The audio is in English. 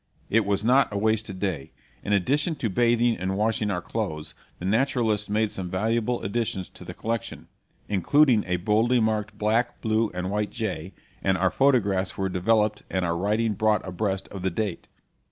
It was not a wasted day. In addition to bathing and washing our clothes, the naturalists made some valuable additions to the collection including a boldly marked black, blue, and white jay and our photographs were developed and our writing brought abreast of the date.